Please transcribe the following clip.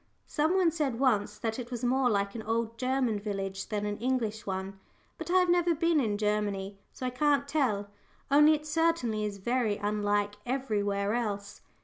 Some one said once that it was more like an old German village than an English one, but I have never been in Germany, so I can't tell, only it certainly is very unlike everywhere else.